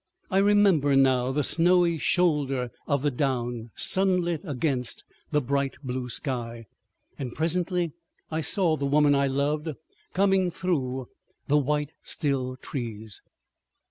I remember now the snowy shoulder of the down, sunlit against the bright blue sky. And presently I saw the woman I loved coming through the white still trees.